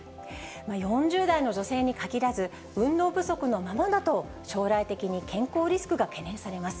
４０代の女性に限らず、運動不足のままだと将来的に健康リスクが懸念されます。